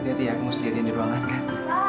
hati hati ya kamu sendirian di ruangan kan